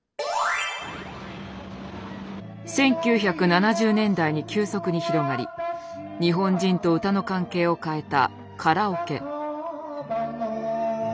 １９７０年代に急速に広がり日本人と歌の関係を変えたカラオケ。